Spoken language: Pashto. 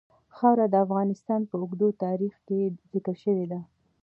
خاوره د افغانستان په اوږده تاریخ کې ذکر شوی دی.